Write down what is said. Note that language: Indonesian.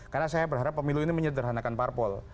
karena saya berharap pemilu ini menyederhanakan parpol